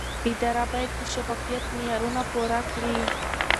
اداره باید د شفافیت معیارونه پوره کړي.